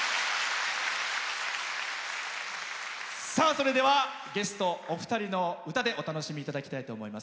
それではゲストお二人の歌でお楽しみいただきたいと思います。